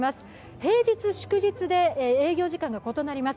平日、祝日で営業時間が異なります